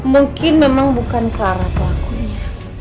mungkin memang bukan para pelakunya